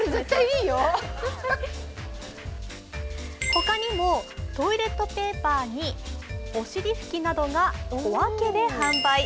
他にも、トイレットペーパーにお尻ふきなどが小分けで販売。